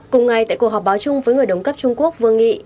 cùng ngày tại cuộc họp báo chung với người đồng cấp trung quốc vương nghị